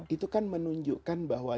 itu kan menunjukkan bahwa